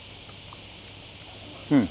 うん！